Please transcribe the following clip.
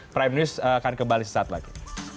prime news akan kembali sesaat lagi